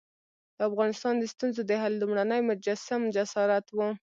د افغانستان د ستونزو د حل لومړنی مجسم جسارت وو.